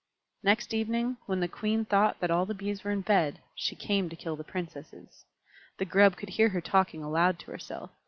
Next evening, when the Queen thought that all the Bees were in bed, she came to kill the Princesses. The Grub could hear her talking aloud to herself.